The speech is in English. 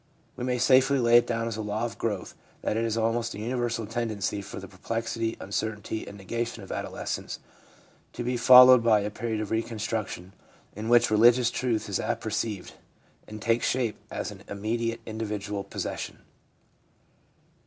We may safely lay it down as a law of growth that it is almost a universal tendency for the perplexity \ uncertainty and negation of adolescence to be followed by a period of reconstruction, in which religious truth is apper ceived and takes shape as an immediate individual pos session.